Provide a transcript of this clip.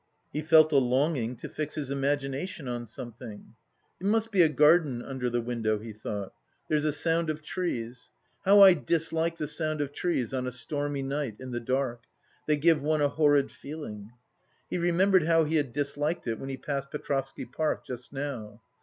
He felt a longing to fix his imagination on something. "It must be a garden under the window," he thought. "There's a sound of trees. How I dislike the sound of trees on a stormy night, in the dark! They give one a horrid feeling." He remembered how he had disliked it when he passed Petrovsky Park just now.